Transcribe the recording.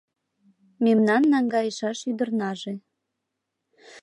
Мемнан наҥгайышаш ӱдырнаже